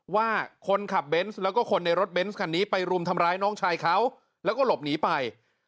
ว่าคนขับเบนส์แล้วก็คนในรถเบนส์คันนี้ไปรุมทำร้ายน้องชายเขาแล้วก็หลบหนีไป